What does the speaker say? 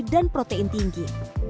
dan protein tinggi